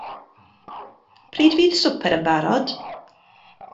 Pryd fydd swper yn barod?